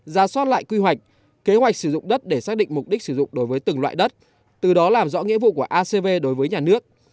ra soát lại quy hoạch kế hoạch sử dụng đất để xác định mục đích sử dụng đối với từng loại đất từ đó làm rõ nghĩa vụ của acv đối với nhà nước